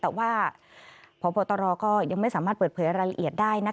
แต่ว่าพบตรก็ยังไม่สามารถเปิดเผยรายละเอียดได้